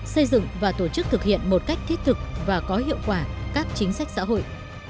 xây dựng và tổ chức thực hiện một cách thiết thực và có hiệu quả các chính sách xã hội